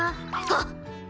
あっ！